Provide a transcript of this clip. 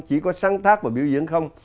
chỉ có sáng tác và biểu diễn không